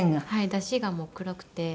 だしがもう黒くて。